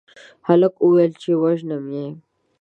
هلک وويل چې وژنم يې